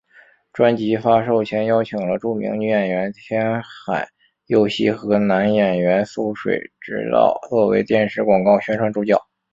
专辑发售前邀请了著名女演员天海佑希和男演员速水直道作为电视广告宣传主角。